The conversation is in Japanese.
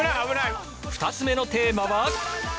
２つ目のテーマは。